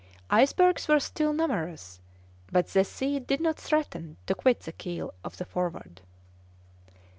Icebergs were still numerous, but the sea did not threaten to quit the keel of the Forward.